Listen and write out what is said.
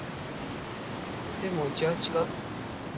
でもうちは違う。